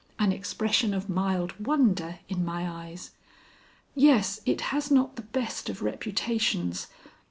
an expression of mild wonder in my eyes. "Yes, it has not the best of reputations.